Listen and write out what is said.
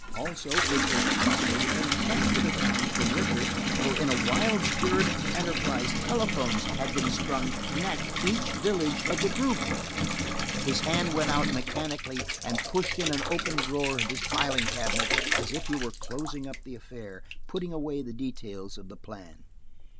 Also it was possible to get in touch with the towns from Rickett, for in a wild spirit of enterprise telephones had been strung to connect each village of the group. His hand went out mechanically and pushed in an open drawer of his filing cabinet as if he were closing up the affair, putting away the details of the plan.